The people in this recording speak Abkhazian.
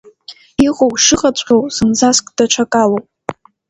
Иҟоу шыҟаҵәҟьоу зынӡаск даҽакалоуп.